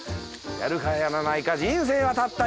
「やるかやらないか人生はたった二たく」